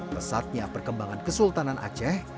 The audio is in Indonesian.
pesatnya perkembangan kesultanan aceh